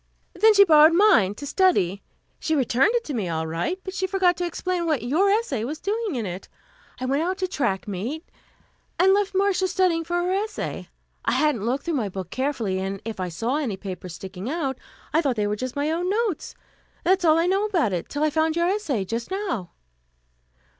"Then she borrowed mine, to study. She returned it to me, all right, but she forgot to explain what your essay was doing in it. I went out to track meet, and left Marcia studying for her essay. I hadn't looked through my book carefully, and if I saw any papers sticking out, I thought they were just my own notes. That is all I know about it, till I found your essay just now."